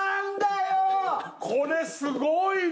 これすごいね！